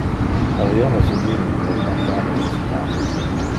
Aviones inimic bombardava le citate.